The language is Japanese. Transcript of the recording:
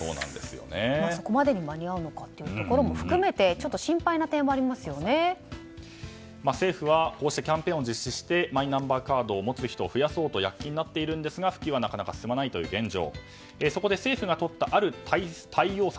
そこまでに間に合うのかということも含めて政府はこうしたキャンペーンを実施してマイナンバーカードを持つ人を増やそうと躍起になっているんですが普及がなかなか進まないという現状。